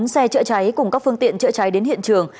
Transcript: bốn xe chữa cháy cùng các phương tiện chữa cháy đến hiện trường